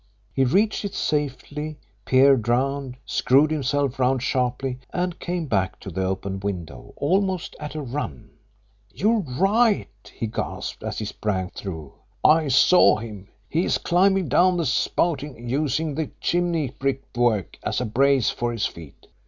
He reached it safely, peered round, screwed himself round sharply, and came back to the open window almost at a run. "You're right!" he gasped, as he sprang through. "I saw him. He is climbing down the spouting, using the chimney brickwork as a brace for his feet.